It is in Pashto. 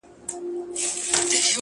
ژوند د فکر انعکاس دی،